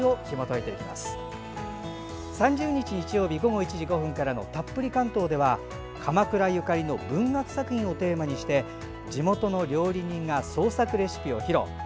３０日の日曜日午後１時５分からの「たっぷり関東」では鎌倉ゆかりの文学作品をテーマに地元の料理人が創作レシピを披露。